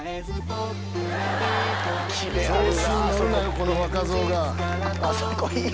この若造が。